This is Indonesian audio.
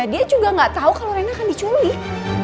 dia juga gak tau kalau reina akan diculik